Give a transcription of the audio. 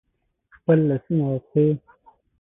خپل لاسونه او پښې